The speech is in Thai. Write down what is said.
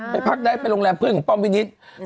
พักได้ไปโรงแรมเพื่อนของป้อมวินิต